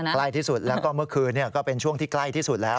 ใกล้ที่สุดแล้วก็เมื่อคืนก็เป็นช่วงที่ใกล้ที่สุดแล้ว